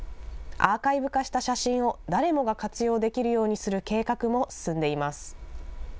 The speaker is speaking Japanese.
アーカイブ化した写真を誰もが活用できるようにする計画も進んでいます。